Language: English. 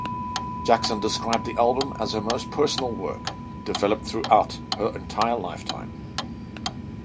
Jackson described the album as her most personal work, developed throughout her entire lifetime.